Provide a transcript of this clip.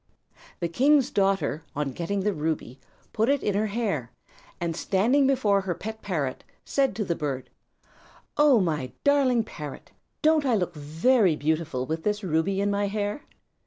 The king's daughter, on getting the ruby put it in her hair, and, standing before her pet parrot, said to the bird, "Oh, my darling parrot, don't I look very beautiful with this ruby in my hair?"